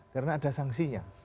karena ada sanksinya